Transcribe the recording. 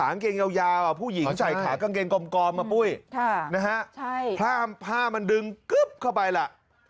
นะฮะใช่ผ้าผ้ามันดึงกึ๊บเข้าไปแหละ